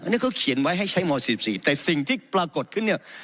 อันนี้เขาเขียนไว้ให้ใช้ม๔๔แต่สิ่งที่ปรากฏขึ้นเนี่ย